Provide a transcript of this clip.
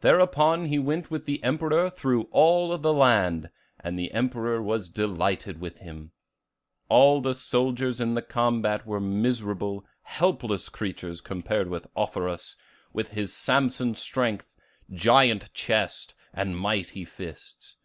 Thereupon he went with the Emperor through all the land, and the Emperor was delighted with him. All the soldiers in the combat were miserable, helpless creatures compared with Offerus, with his Samson strength, giant chest, and mighty fists.